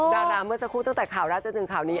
ดาราเมื่อสักครู่ตั้งแต่ข่าวแรกจนถึงข่าวนี้